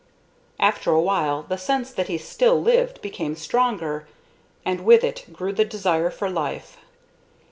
After a while the sense that he still lived became stronger, and with it grew the desire for life.